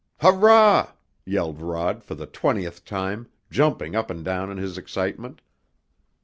"Hurrah!" yelled Rod for the twentieth time, jumping up and down in his excitement.